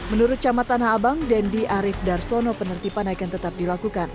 menurut camat tanah abang dendi arief darsono penertiban akan tetap dilakukan